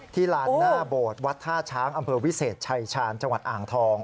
ลานหน้าโบสถ์วัดท่าช้างอำเภอวิเศษชายชาญจังหวัดอ่างทอง